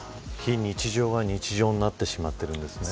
非日常が日常になってしまっているんですね。